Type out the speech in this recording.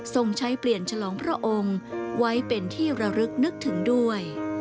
ใช้เปลี่ยนฉลองพระองค์ไว้เป็นที่ระลึกนึกถึงด้วย